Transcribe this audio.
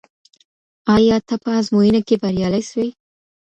آیا ته په ازموينه کي بريالی سوې؟